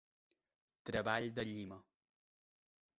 Treball de llima.